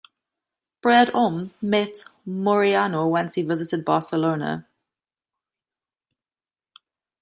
Preud'homme met Mourinho when he once visited Barcelona.